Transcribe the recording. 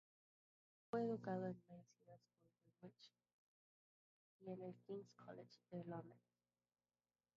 Fue educado en "Maze Hill School Greenwich" y en el King's College de Londres.